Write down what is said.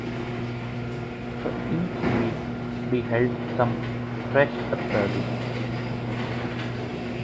So each week beheld some fresh absurdity.